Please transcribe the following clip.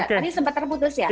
tadi sempat terputus ya